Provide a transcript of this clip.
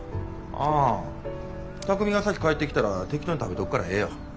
ああ巧海が先帰ってきたら適当に食べとくからええよ。